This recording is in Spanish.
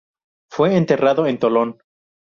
Fue enterrado en Tolón.